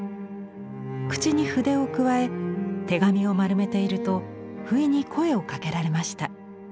口に筆をくわえ手紙を丸めているとふいに声をかけられました。